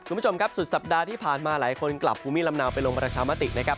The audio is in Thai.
คุณผู้ชมครับสุดสัปดาห์ที่ผ่านมาหลายคนกลับภูมิลำเนาไปลงประชามตินะครับ